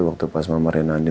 waktu pas mama rena andi